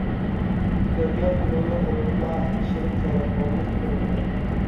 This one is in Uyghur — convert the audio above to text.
كۆرگەن كۈنۈڭنى ئۇنۇتما، شىرچۇرۇقۇڭنى قۇرۇتما.